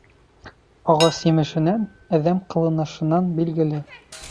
Ағас емешенән, әҙәм ҡыланышынан билгеле.